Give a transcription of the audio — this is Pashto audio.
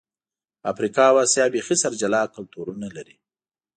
افریقا او آسیا بیخي سره جلا کلتورونه لري.